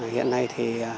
hiện nay thì có một vài xã đã